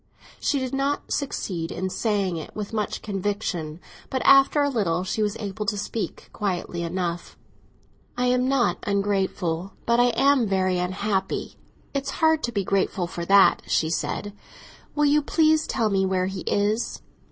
She did not succeed in saying it with much conviction, but after a little she was able to speak quietly enough. "I am not ungrateful, but I am very unhappy. It's hard to be grateful for that," she said. "Will you please tell me where he is?"